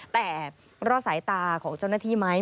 แต่รอดสายตาของเจ้าหน้าที่ไหม